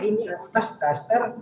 ini atas dasar